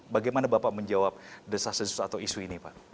bagaimana bapak menjawab desas desus atau isu ini pak